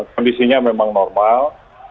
kondisinya memang normal